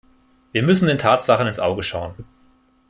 Wir müssen den Tatsachen ins Auge schauen.